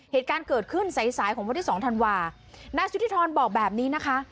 เหตุการณ์เกิดขึ้นใสของพระพระที่สองธันวาณสุทธิธรณบอกแบบนี้นะคะ